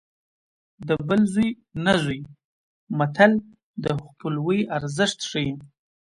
د بل زوی نه زوی متل د خپلوۍ ارزښت ښيي